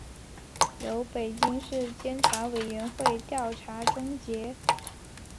由北京市监察委员会调查终结